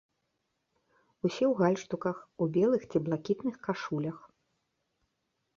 Усе ў гальштуках, у белых ці блакітных кашулях.